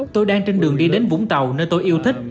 tôi đang trên đường đi đến vũng tàu nơi tôi yêu thích